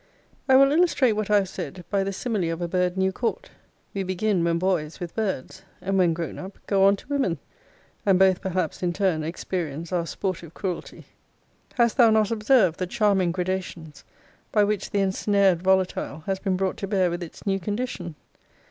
I will illustrate what I have said by the simile of a bird new caught. We begin, when boys, with birds; and when grown up, go on to women; and both perhaps, in turn, experience our sportive cruelty. Hast thou not observed, the charming gradations by which the ensnared volatile has been brought to bear with its new condition?